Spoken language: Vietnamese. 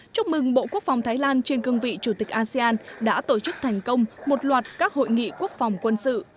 chúc mừng bộ quốc phòng thái lan trên cương vị chủ tịch asean đã tổ chức thành công một loạt các hội nghị quốc phòng quân sự